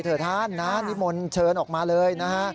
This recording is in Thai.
กลางรถไฟเถอะท่านนิมนต์เชิญออกมาเลยนะฮะ